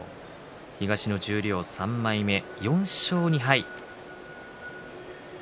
東の十両３枚目、４勝２敗。